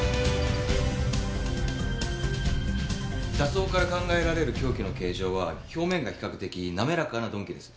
挫創から考えられる凶器の形状は表面が比較的滑らかな鈍器です。